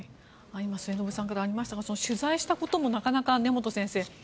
今、末延さんからありましたが取材したこともなかなか根本先生